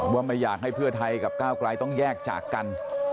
ว่าไม่อยากให้เพื่อไทยกับก้าวกลายต้องแยกจากกัน